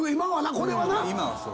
これはな。